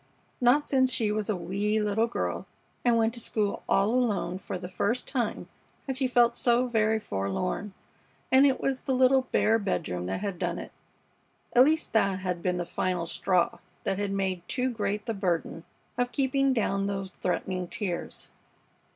Not since she was a wee little girl and went to school all alone for the first time had she felt so very forlorn, and it was the little bare bedroom that had done it. At least that had been the final straw that had made too great the burden of keeping down those threatening tears.